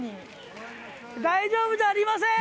大丈夫じゃありません。